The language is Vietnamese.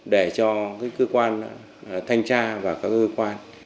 để cho cơ quan thanh tra và các cơ quan